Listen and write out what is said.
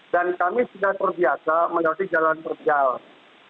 dan kami sudah terbiasa melalui jalan perjalanan